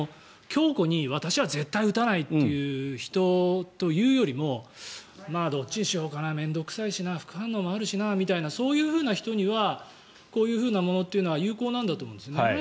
強固に私は絶対に打たないという人というよりもどっちにしようかな面倒臭いしな副反応もあるしなみたいなそういうふうな人にはこういうふうなものというのは有効なんだと思うんですね。